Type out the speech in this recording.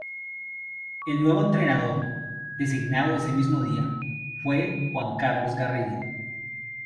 El nuevo entrenador, designado ese mismo día, fue Juan Carlos Garrido.